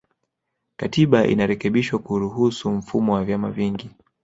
Katiba inarekebishwa kuruhusu mfumo wa vyama vingi